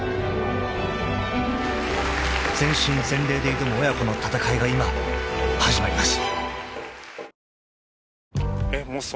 ［全身全霊で挑む親子の戦いが今始まります］